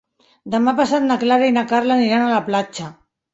Demà passat na Clara i na Carla aniran a la platja.